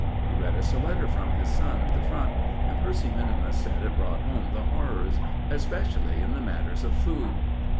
He read us a letter from his son at the Front, and Percy minimus said it brought home the horrors especially in the matters of food.